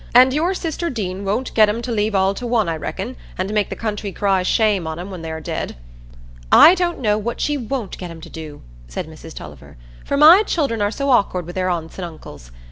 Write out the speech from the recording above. And your sister Deane won't get 'em to leave all to one, I reckon, and make the country cry shame on 'em when they are dead?" "I don't know what she won't get 'em to do," said Mrs Tulliver, "for my children are so awk'ard wi' their aunts and uncles.